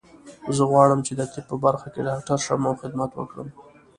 زه غواړم چې د طب په برخه کې ډاکټر شم او خدمت وکړم